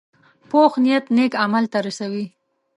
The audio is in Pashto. پوخ نیت نیک عمل ته رسوي